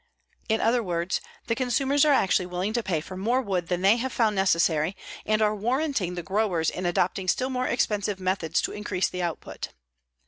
In other words, the consumers are actually willing to pay for more wood than they have found necessary, and are warranting the growers in adopting still more expensive methods to increase the output.